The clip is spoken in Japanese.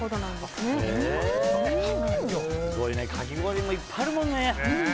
すごいねかき氷もいっぱいあるもんね。